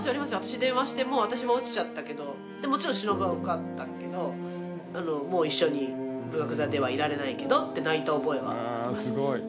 私電話してもう私は落ちちゃったけどもちろんしのぶは受かったけどもう一緒に文学座ではいられないけどって泣いた覚えはありますね。